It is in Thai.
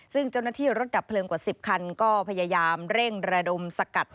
ซึ่งเจ้าหน้าที่รถดับเพลิงกว่า๑๐คันก็พยายามเร่งระดมสกัด